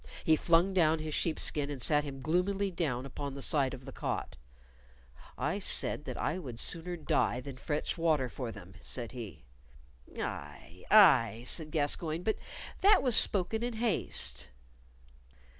He flung down his sheepskin and sat him gloomily down upon the side of the cot. "I said that I would sooner die than fetch water for them," said he. "Aye, aye," said Gascoyne; "but that was spoken in haste."